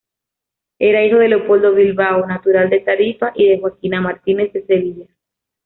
Era hijo de Leopoldo Bilbao, natural de Tarifa, y de Joaquina Martínez, de Sevilla.